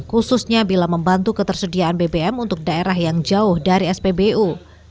khususnya bila membantu ketersediaan bbm untuk daerah yang jauh dari spbu